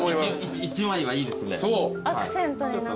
一枚岩いいですね。